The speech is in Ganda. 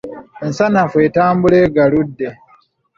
Ensanafu etambula egaludde.